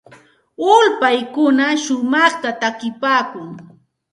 Ulpaykuna shumaqta takipaakun.